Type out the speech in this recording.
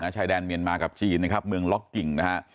ชายแดนเมียนมากับจีนนะครับเมืองล็อกกิ่งนะฮะ